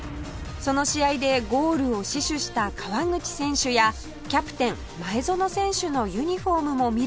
その試合でゴールを死守した川口選手やキャプテン前園選手のユニホームも見る事ができます